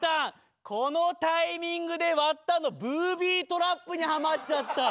このタイミングでわったんのブービートラップにはまっちゃった。